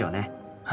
はい。